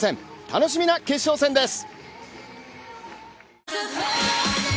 楽しみな決勝戦です。